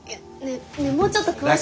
ねえもうちょっと詳しく。